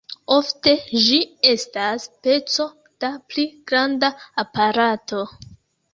Ofte, ĝi estas peco da pli granda aparato.